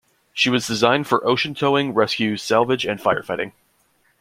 She was designed for ocean towing, rescue, salvage and fire-fighting.